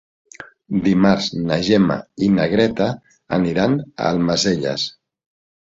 Dimarts na Gemma i na Greta iran a Almacelles.